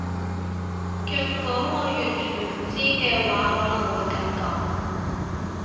若果我完全唔知嘅話可能會噉講